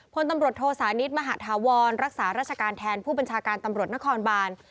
พลตำรวจโทสานิทมหาธาวรรักษาราชการแทนผู้บัญชาการตำรวจนครบาน